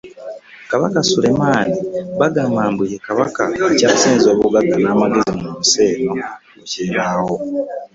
Kabaka Sulemaani bagamba mbu ye Kabaka akyasinze obugagga n'amagezi mu nsi eno bukya ebaawo.